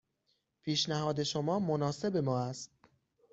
پیشنهاد شما مناسب ما است.